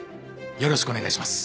よろしくお願いします。